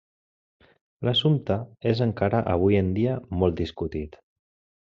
L'assumpte és encara avui en dia molt discutit.